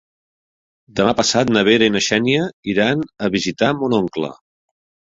Demà passat na Vera i na Xènia iran a visitar mon oncle.